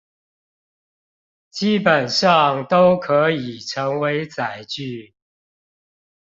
基本上都可以成為載具